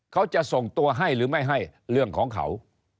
เขาจะส่งตัวให้หรือไม่ให้เรื่องของเขา